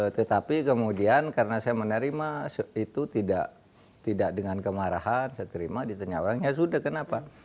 tetapi kemudian karena saya menerima itu tidak dengan kemarahan saya terima ditenyawanya sudah kenapa